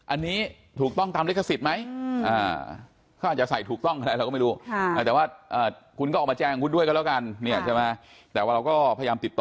อันนี้ถูกต้องตามลิกษิตไหม